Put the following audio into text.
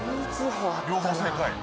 両方正解。